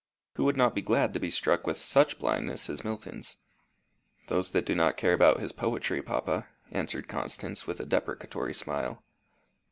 Who would not be glad to be struck with such blindness as Milton's?" "Those that do not care about his poetry, papa," answered Constance, with a deprecatory smile.